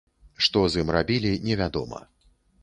Што з ім рабілі, невядома.